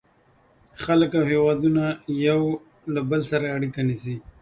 • خلک او هېوادونه یو له بل سره اړیکه نیسي.